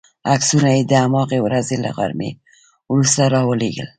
عکسونه یې د هماغې ورځې له غرمې وروسته را ولېږل.